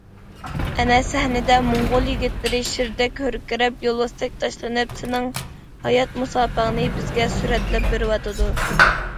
ئەنە سەھنىدە موڭغۇل يىگىتلىرى شىردەك ھۆركىرەپ، يولۋاستەك تاشلىنىپ، سېنىڭ ھايات مۇساپەڭنى بىزگە سۈرەتلەپ بېرىۋاتىدۇ.